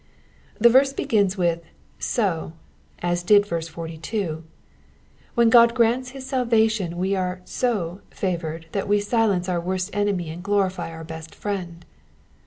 The verse begins with So," as did verse 42. When God grants his sal vation we are so favoured that we silence our worst enemy and glorify our best friend.